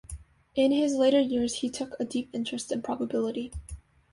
In his later years he took a deep interest in probability.